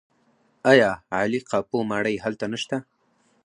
آیا عالي قاپو ماڼۍ هلته نشته؟